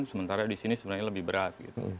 sementara di sini sebenarnya lebih berat